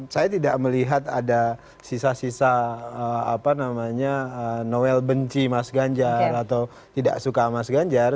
saya tidak melihat ada sisa sisa noel benci mas ganjar atau tidak suka mas ganjar